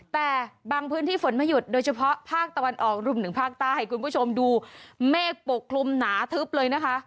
แต่บางพื้นที่ฝนไม่หยุดโดยเฉพาะภาคตะวันออกรวมถึงภาคใต้ให้คุณผู้ชมดูเมฆปกคลุมหนาทึบเลยนะคะ